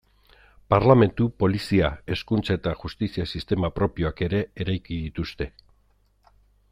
Parlementu, polizia, hezkuntza eta justizia sistema propioak ere eraiki dituzte.